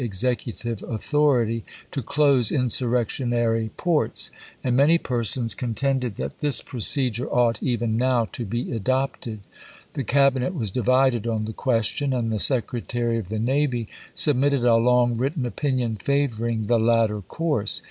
^' Executive authority to close insurrectionary ports ; and many persons contended that this procedure ought, even now, to be adopted. The Cabinet was divided on the question; and the Secretary of the Navy submitted a long written opinion favoring the latter course.